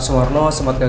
saya tuh kecap ya